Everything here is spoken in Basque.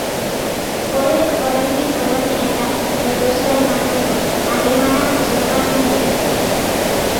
Horrek oraindik Polonia eta Errusiaren arteko harremanak oztopatzen ditu.